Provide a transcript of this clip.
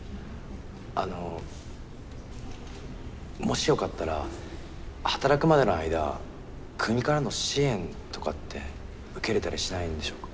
あのもしよかったら働くまでの間国からの支援とかって受けれたりしないんでしょうか？